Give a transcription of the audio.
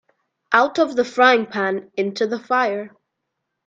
Out of the frying-pan into the fire.